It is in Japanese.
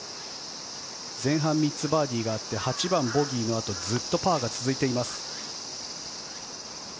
前半３つバーディーがあって８番、ボギーのあとずっとパーが続いています。